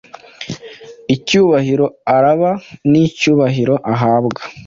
Icyubahiro araaba, nicyubahiro ahabwa